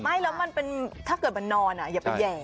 ไม่แล้วมันเป็นถ้าเกิดมันนอนอย่าไปแห่